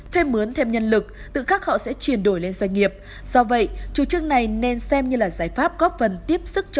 thuê mướn thêm nhân lực tự khắc họ sẽ chuyển đổi lên doanh nghiệp